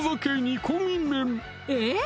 えっ⁉